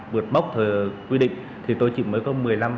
vượt mốc quy định thì tôi chỉ mới có một mươi năm năm